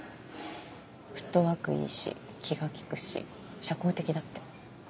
フットワークいいし気が利くし社交的だって。